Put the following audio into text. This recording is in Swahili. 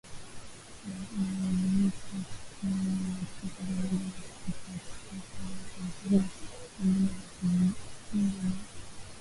ya Uviko kumi na Tisa pamoja na kufuatwa kwa taratibu nyingine za kujikinga na